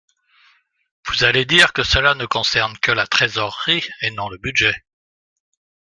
Vous allez dire que cela ne concerne que la trésorerie et non le budget.